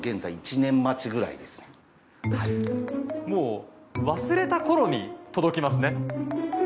もう忘れたころに届きますね。